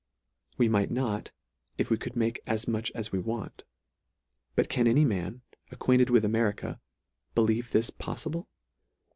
We might not, if we could make as much as we want. But can any man, acquainted with Ameri ca, believe this poffible